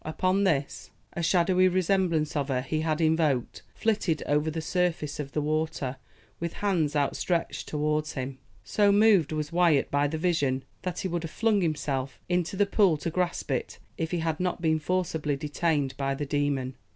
Upon this a shadowy resemblance of her he had invoked flitted over the surface of the water, with hands outstretched towards him. So moved was Wyat by the vision, that he would have flung himself into the pool to grasp it if he had not been forcibly detained by the demon.